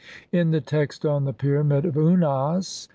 In the text on the pyramid of Unas (1.